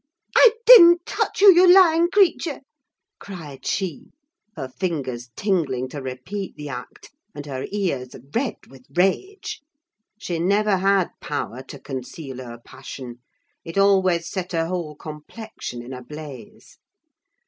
"I didn't touch you, you lying creature!" cried she, her fingers tingling to repeat the act, and her ears red with rage. She never had power to conceal her passion, it always set her whole complexion in a blaze.